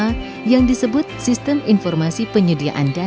matang setelah bawaan dari sekolah dan menambah kualitas simpan tidak legislatif sekolah